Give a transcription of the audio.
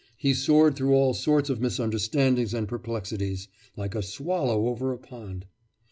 He soared through all sorts of misunderstandings and perplexities, like a swallow over a pond.